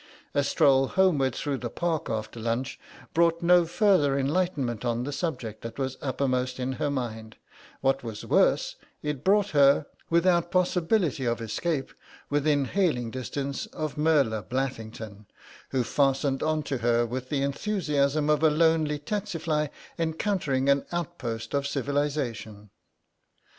A stroll homeward through the Park after lunch brought no further enlightenment on the subject that was uppermost in her mind; what was worse, it brought her, without possibility of escape, within hailing distance of Merla Blathington, who fastened on to her with the enthusiasm of a lonely tsetse fly encountering an outpost of civilisation.